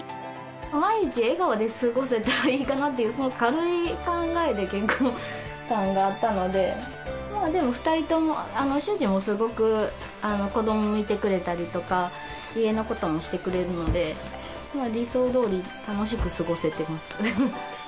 毎日笑顔で過ごせたらいいかなっていう、そんな軽い考えで結婚観があったので、まあ、でも２人とも、主人もすごく子ども見てくれたりとか、家のこともしてくれるので、理想どおり楽しく過ごせてます。